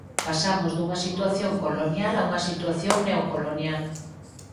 pasamos dunha situación colonial a unha situación neocolonial.